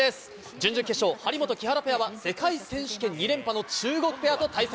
準々決勝、張本・木原ペアは、世界選手権２連覇の中国ペアと対戦。